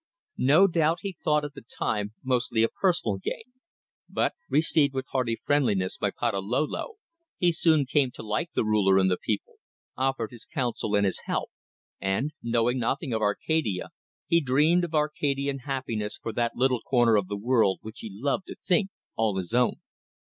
No doubt he thought at the time mostly of personal gain; but, received with hearty friendliness by Patalolo, he soon came to like the ruler and the people, offered his counsel and his help, and knowing nothing of Arcadia he dreamed of Arcadian happiness for that little corner of the world which he loved to think all his own.